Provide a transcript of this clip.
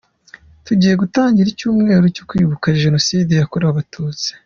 Tugiye gutangira icyumweru cyo kwibuka Genocide yakorewe Abatutsi.